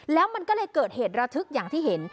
แล้วมันก็เลยเกิดเหตุระทึกอย่างที่เห็น